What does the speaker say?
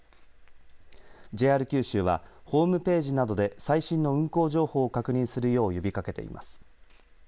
ＪＲ九州は、ホームページなどで最新の運行情報を確認するよう呼びかけています。